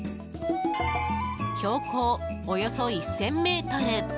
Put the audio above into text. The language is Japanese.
標高およそ１０００ｍ。